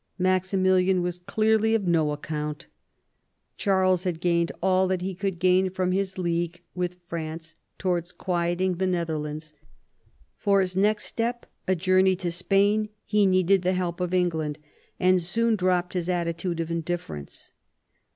Maximilian was clearly of no accoimt. Charles had gained all that he could gain from his League with France towards quieting the Netherlands ; for his next step, a journey to Spain, he needed the help of England, and soon dropped his attitude of indifference.